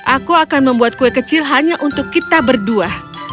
aku akan membuat kue kecil hanya untuk kita berdua